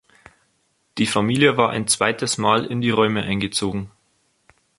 Die Familie war ein zweites Mal in die Räume eingezogen.